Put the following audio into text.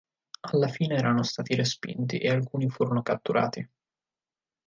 Alla fine erano stati respinti e alcuni furono catturati.